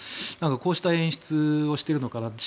こうした演出をしているのかなって。